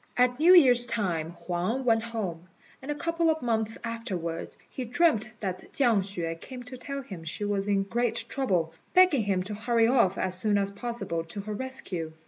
At New Year's time Huang went home, and a couple of months afterwards he dreamt that Chiang hsüeh came to tell him she was in great trouble, begging him to hurry off as soon as possible to her rescue.